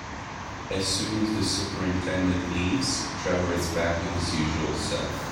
As soon as the superintendent leaves, Trevor is back to his usual self.